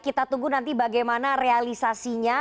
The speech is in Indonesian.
kita tunggu nanti bagaimana realisasinya